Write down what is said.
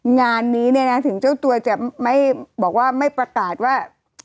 งานนี้เนี่ยนะถึงเจ้าตัวจะไม่บอกว่าไม่ประกาศว่า